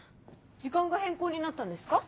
時間が変更になったんですか？